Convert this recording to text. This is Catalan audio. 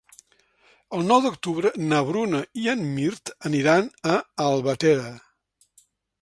El nou d'octubre na Bruna i en Mirt aniran a Albatera.